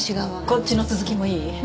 こっちの続きもいい？